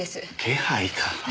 気配か。